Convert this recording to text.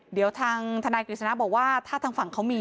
เดี๋ยวทางทนายกฤษณะบอกว่าถ้าทางฝั่งเขามี